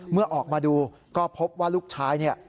เมื่อออกมาดูก็พบว่าลูกชายเนี่ย